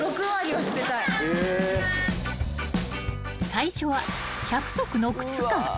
［最初は１００足の靴から］